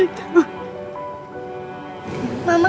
tidak ada ruang untuk kamu